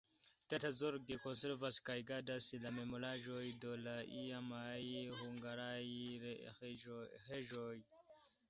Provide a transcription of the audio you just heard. Tata zorge konservas kaj gardas la memoraĵojn de la iamaj hungaraj reĝoj.